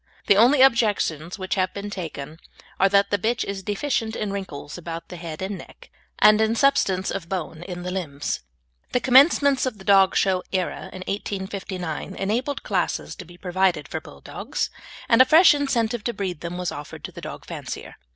The only objections which have been taken are that the bitch is deficient in wrinkles about the head and neck, and in substance of bone in the limbs. The commencement of the dog show era in 1859 enabled classes to be provided for Bulldogs, and a fresh incentive to breed them was offered to the dog fancier.